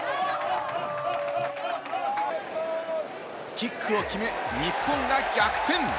キックを決め、日本が逆転！